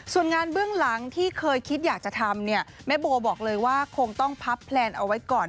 ส่วนงานเบื้องหลังที่เคยคิดอยากจะทำเนี่ยแม่โบบอกเลยว่าคงต้องพับแพลนเอาไว้ก่อน